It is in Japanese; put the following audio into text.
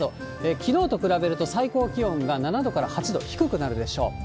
きのうと比べると最高気温が７度から８度低くなるでしょう。